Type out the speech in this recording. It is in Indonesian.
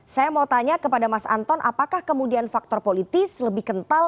saya mau tanya kepada mas anton apakah kemudian faktor politis lebih kental